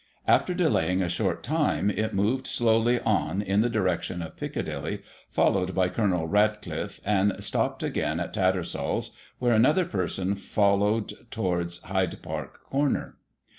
After delaying a short time, it moved slowly on in the direction of Piccadilly, followed by Col. Ratcliffe, and stopped again at Tattersall's, where another person followed towards Hyde Park Corner.